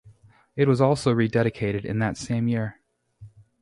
It was also rededicated in that same year.